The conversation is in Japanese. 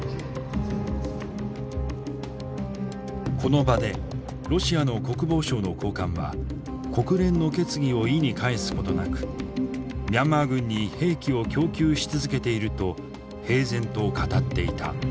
この場でロシアの国防省の高官は国連の決議を意に介すことなくミャンマー軍に兵器を供給し続けていると平然と語っていた。